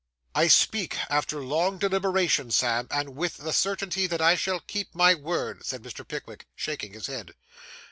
'I speak after long deliberation, Sam, and with the certainty that I shall keep my word,' said Mr. Pickwick, shaking his head.